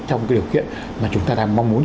trong cái điều kiện mà chúng ta đang mong muốn